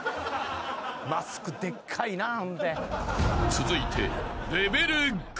［続いて］